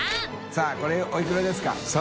気これおいくらですか？